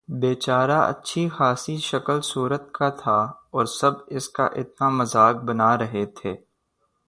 بے چارہ اچھی خاصی شکل صورت کا تھا اور سب اس کا اتنا مذاق بنا رہے تھے